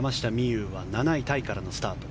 有は７位タイからのスタート